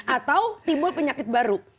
atau timbul penyakit baru